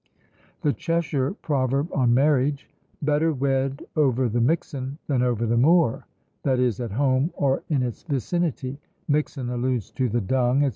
The Cheshire proverb on marriage, "Better wed over the mixon than over the moor," that is, at home or in its vicinity; mixon alludes to the dung, &c.